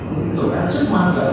tội án rất hoang dẫn